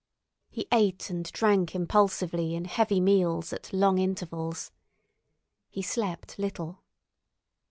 He ate and drank impulsively in heavy meals at long intervals. He slept little.